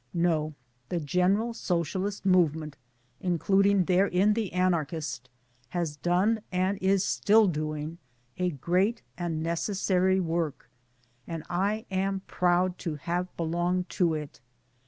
No the general Socialist movement (including therein the Anarchist) has done and is still doing a great and necessary work and I am proud to have belonged to it.